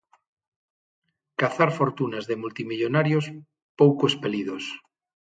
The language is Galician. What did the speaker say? Cazar fortunas de multimillonarios pouco espelidos.